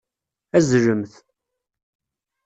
Azzelemt.